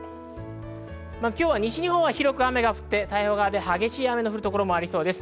西日本は広く雨が降って太平洋側で激しい雨が降るところもありそうです。